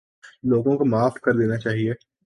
لوگوں کو معاف کر دینا چاہیے